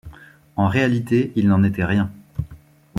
En réalité, il n'en était rien.